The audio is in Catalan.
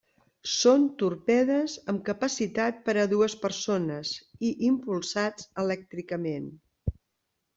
Són torpedes amb capacitat per a dues persones i impulsats elèctricament.